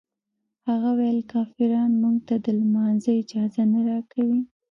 هغه ویل کافران موږ ته د لمانځه اجازه نه راکوي.